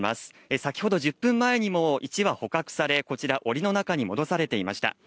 先ほど１０分前にも１羽捕獲され、こちら、おりの中に戻されていました。